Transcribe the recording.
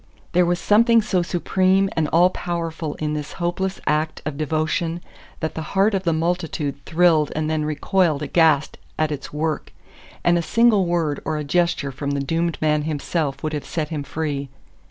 There was something so supreme and all powerful in this hopeless act of devotion that the heart of the multitude thrilled and then recoiled aghast at its work, and a single word or a gesture from the doomed man himself would have set him free.